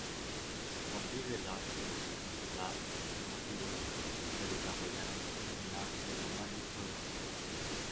A partir del arte insular, estos motivos se desarrollaron en el arte románico europeo.